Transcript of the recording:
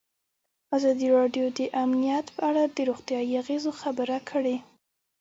ازادي راډیو د امنیت په اړه د روغتیایي اغېزو خبره کړې.